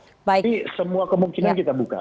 jadi semua kemungkinan kita buka